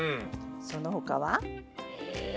その他は？え？